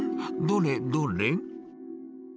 どれどれ。